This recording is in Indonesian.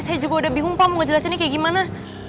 saya juga udah bingung pak mau ngejelasinnya kayak gimana